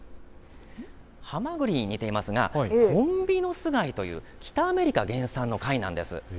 ハマグリに似ていますがホンビノス貝という北アメリカ原産の貝なんです。